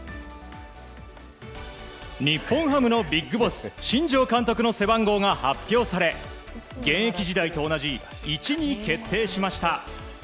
日本ハムのビッグボス新庄監督の背番号が発表され現役時代と同じ１に決定しました。